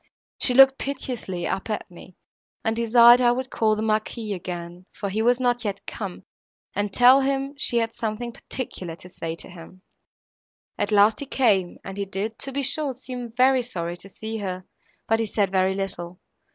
She looked piteously up at me, and desired I would call the Marquis again, for he was not yet come, and tell him she had something particular to say to him. At last, he came, and he did, to be sure, seem very sorry to see her, but he said very little.